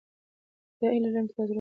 زه هیله لرم چې تاسو روغ او جوړ یاست.